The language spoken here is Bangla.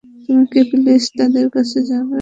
তুমি কি প্লিজ তাদের কাছে যাবে?